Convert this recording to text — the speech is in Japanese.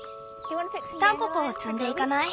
タンポポを摘んでいかない？